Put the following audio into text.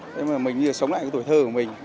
để mà mình sống lại cái tuổi thơ của mình